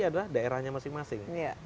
adalah daerahnya masing masing